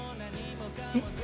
えっ？